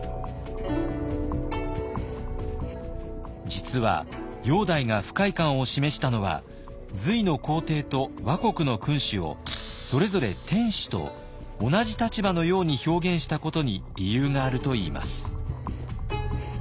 実は煬帝が不快感を示したのは隋の皇帝と倭国の君主をそれぞれ「天子」と同じ立場のように表現したことに理由があるといいます。